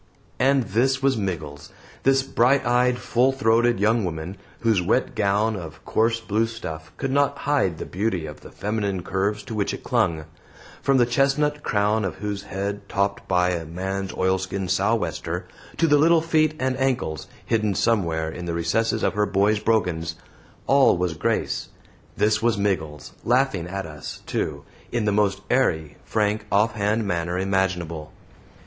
And this was Miggles! this bright eyed, full throated young woman, whose wet gown of coarse blue stuff could not hide the beauty of the feminine curves to which it clung; from the chestnut crown of whose head, topped by a man's oilskin sou'wester, to the little feet and ankles, hidden somewhere in the recesses of her boy's brogans, all was grace this was Miggles, laughing at us, too, in the most airy, frank, offhand manner imaginable.